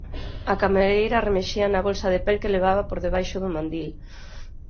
A camareira remexía na bolsa de pel que levaba por debaixo do mandil.